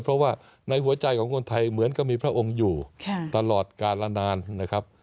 เพราะว่าในหัวใจของคนไทยเหมือนก็มีพระองค์อยู่ตลอดกาลนานนะครับ